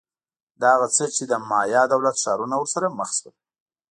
دا هغه څه چې د مایا دولت ښارونه ورسره مخ شول